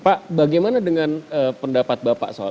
pak bagaimana dengan pendapat bapak soal